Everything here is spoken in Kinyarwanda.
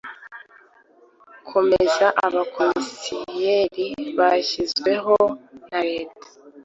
kwemeza aba komiseri bashyizweho na leta